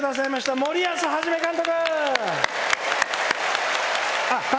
森保一監督。